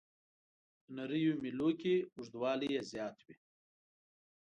په نریو میلو کې اوږدوالی یې زیات وي.